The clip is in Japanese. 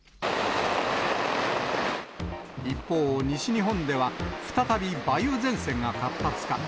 一方、西日本では再び、梅雨前線が活発化。